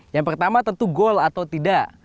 yang pertama tentu goal atau tidak